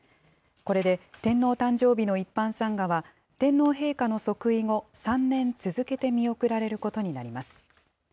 これで天皇誕生日の一般参賀は、天皇陛下の即位後、３年続けて見送られることになります。